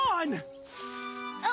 あ